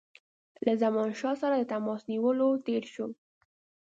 له زمانشاه سره د تماس نیولو تېر شو.